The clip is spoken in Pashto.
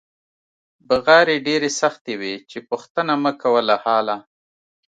بغارې ډېرې سختې وې چې پوښتنه مکوه له حاله.